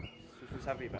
susu sapi pak